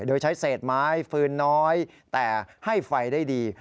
โดยใช้เศษไม้ฟืนน้อยแต่ให้ไฟได้ดี